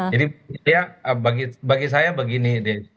jadi ya bagi saya begini